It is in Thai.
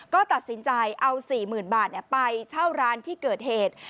ก็ตัดสินใจเอา๔๐๐๐บาทไปเช่าร้านที่เกิดเหตุ